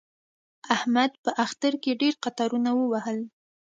احمد په اختر کې ډېر قطارونه ووهل.